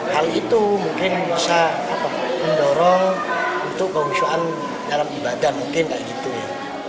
hal itu mungkin bisa mendorong untuk kehusuan dalam ibadah mungkin kayak gitu ya